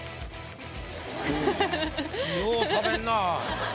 よう食べんな。